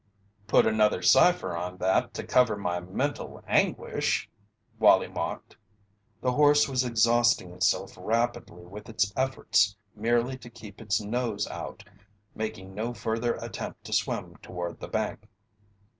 "Put another cipher on that to cover my mental anguish!" Wallie mocked. The horse was exhausting itself rapidly with its efforts merely to keep its nose out, making no further attempt to swim toward the bank.